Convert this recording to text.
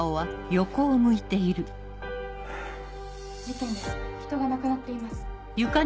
事件です人が亡くなっています。